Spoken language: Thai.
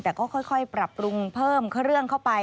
แต่ก็ค่อยปรับปรุงเพิ่มเครื่องเข้าไป